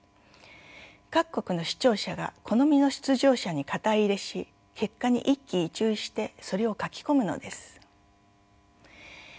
各国の視聴者が好みの出場者に肩入れし結果に一喜一憂してそれを書き込むのです。